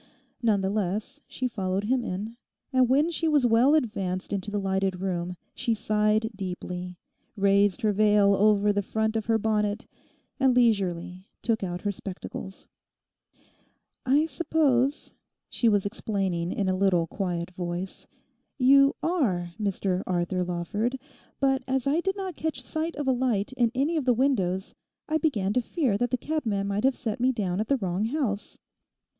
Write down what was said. None the less she followed him in, and when she was well advanced into the lighted room, she sighed deeply, raised her veil over the front of her bonnet, and leisurely took out her spectacles. 'I suppose,' she was explaining in a little quiet voice, 'you are Mr Arthur Lawford, but as I did not catch sight of a light in any of the windows I began to fear that the cabman might have set me down at the wrong house.